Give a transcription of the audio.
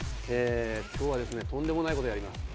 今日はとんでもないことをやります。